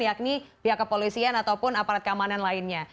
yakni pihak kepolisian ataupun aparat keamanan lainnya